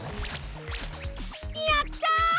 やった！